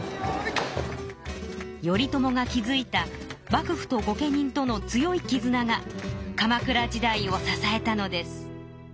頼朝が築いた幕府と御家人との強いきずなが鎌倉時代を支えたのです。